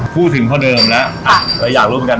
พูดถึงพ่อเดิมแล้วเราอยากรู้เหมือนกัน